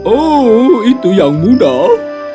oh itu yang mudah